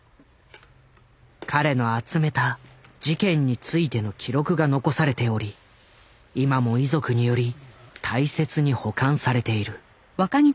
彼の集めた事件についての記録が残されており今も遺族により大切に保管されている。